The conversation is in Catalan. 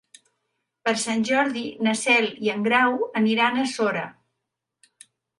Per Sant Jordi na Cel i en Grau aniran a Sora.